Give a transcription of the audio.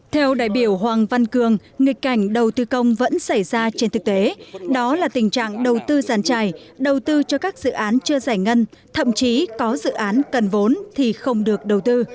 theo đại biểu hoàng văn cường nghịch cảnh đầu tư công vẫn xảy ra trên thực tế đó là tình trạng đầu tư giàn trải đầu tư cho các dự án chưa giải ngân thậm chí có dự án cần vốn thì không được đầu tư